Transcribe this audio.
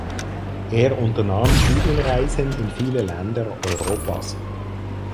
Er unternahm Studienreisen in viele Länder Europas.